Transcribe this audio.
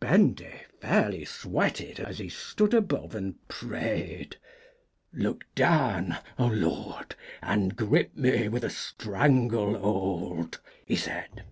Bendy fairly sweated as he stood above and prayed, "Look down, O Lord, and grip me with a strangle hold!" he said.